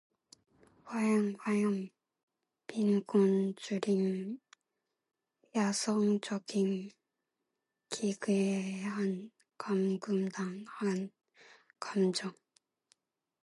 화염! 화염! 빈곤, 주림, 야성적 힘, 기괴한 감금당한 감정!